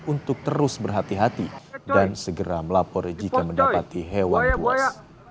untuk terus berhati hati dan segera melapor jika mendapati hewan buas